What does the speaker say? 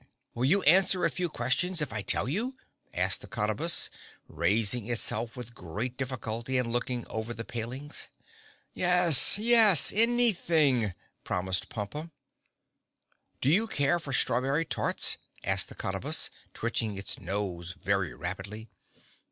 "Will you answer a few questions if I tell you?" asked the Cottabus, raising itself with great difficulty and looking over the palings. "Yes—yes—anything," promised Pompa. "Do you care for strawberry tarts?" asked the Cottabus, twitching its nose very rapidly.